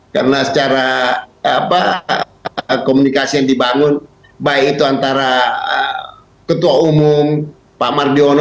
karena secara komunikasi yang dibangun baik itu antara ketua umum pak mardion